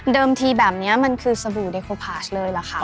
ทีแบบนี้มันคือสบู่ไดโคพาชเลยล่ะค่ะ